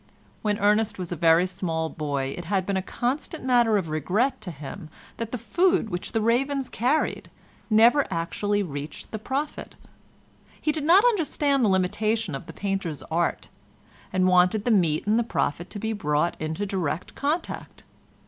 When Ernest was a very small boy it had been a constant matter of regret to him that the food which the ravens carried never actually reached the prophet; he did not understand the limitation of the painter's art, and wanted the meat and the prophet to be brought into direct contact.